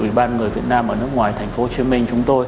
ủy ban người việt nam ở nước ngoài thành phố hồ chí minh chúng tôi